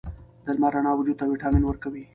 د لمر رڼا وجود ته ویټامین ورکوي.